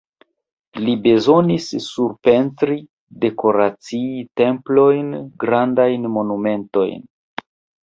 Li bezonis surpentri, dekoracii templojn, grandajn monumentojn.